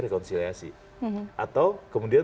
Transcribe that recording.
rekonsiliasi atau kemudian